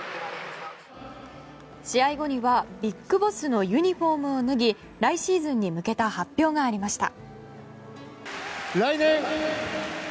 試合後にはＢＩＧＢＯＳＳのユニホームを脱ぎ来シーズンに向けた発表がありました。